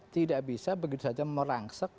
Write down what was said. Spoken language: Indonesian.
tidak bisa begitu saja merangsek